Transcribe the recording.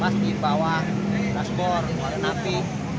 pas di bawah di transport di kualian api